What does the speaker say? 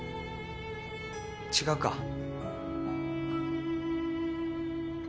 違うか？